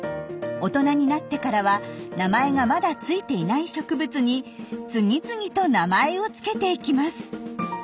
大人になってからは名前がまだ付いていない植物に次々と名前を付けていきます。